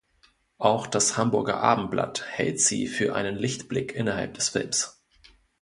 Auch das "Hamburger Abendblatt" hält sie für einen Lichtblick innerhalb des Films.